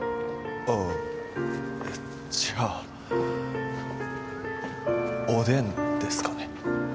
ああえっじゃあおでんですかね